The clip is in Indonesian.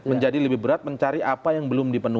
menjadi lebih berat mencari apa yang belum dipenuhi